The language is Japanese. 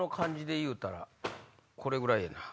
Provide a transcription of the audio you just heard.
これぐらいやな。